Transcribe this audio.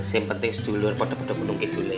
sampai setulur kok udah udah gunung kitul lek